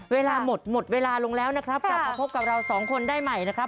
เวลาหมดหมดเวลาลงแล้วนะครับกลับมาพบกับเราสองคนได้ใหม่นะครับ